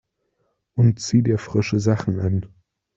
Und zieh dir frische Sachen an!